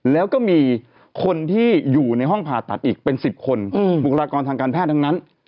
แล้วก็มีคนที่อยู่ในห้องผ่าตัดอีกเป็น๑๐คนบุคลากรทางการแพทย์ทั้งนั้น